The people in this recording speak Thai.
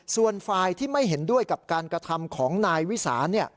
ส่วนฝ่ายที่ไม่เห็นด้วยกับการกระทำของนายวิสาน